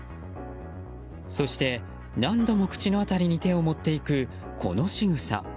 そして何度も口の辺りに手を持っていくこのしぐさ。